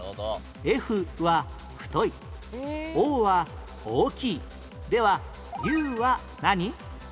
「Ｆ」は「太い」「Ｏ」は「大きい」では「Ｕ」は何？